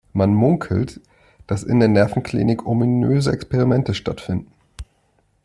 Man munkelt, dass in der Nervenklinik ominöse Experimente stattfinden.